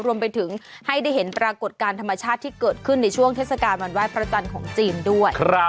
รวมไปถึงให้ได้เห็นปรากฏการณ์ธรรมชาติที่เกิดขึ้นในช่วงเทศกาลวันไห้พระจันทร์ของจีนด้วย